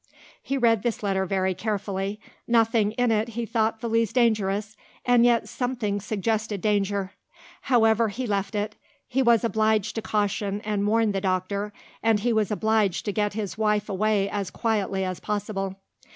He read this letter very carefully. Nothing in it he thought the least dangerous, and yet something suggested danger. However, he left it; he was obliged to caution and warn the doctor, and he was obliged to get his wife away as quietly as possible.